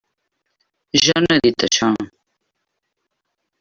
Jo no he dit això.